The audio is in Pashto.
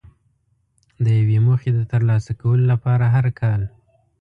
د یوې موخې د ترلاسه کولو لپاره هر کال.